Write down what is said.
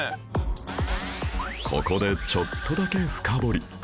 ここでちょっとだけ深掘り